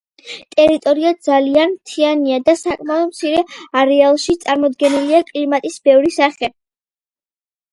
ტერიტორია ძალიან მთიანია და საკმაოდ მცირე არეალში წარმოდგენილია კლიმატის ბევრი სახე.